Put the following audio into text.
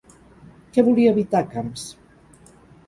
Què volia evitar Camps?